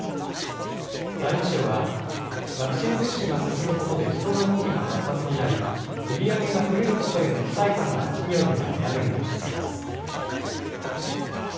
財務省はワクチン接種が進むことで人の動きが活発になり売り上げが増えることへの期待感が企業には見られるとしています。